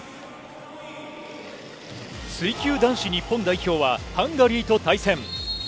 水球男子日本代表は、ハンガリーと対戦。